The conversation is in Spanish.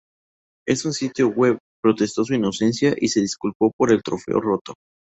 En su sitio web, protestó su inocencia, y se disculpó por el trofeo roto.